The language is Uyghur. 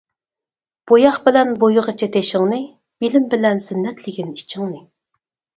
بوياق بىلەن بويىغىچە تېشىڭنى، بىلىم بىلەن زىننەتلىگىن ئىچىڭنى.